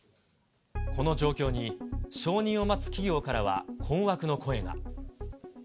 この状況に承認を待つ企業からは困惑の声が。